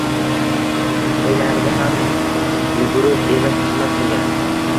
To`ylarida ham yugurib-elib xizmat qilgan